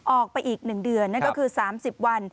ออกไปอีก๑เดือนนั่นก็คือ๓๐วัน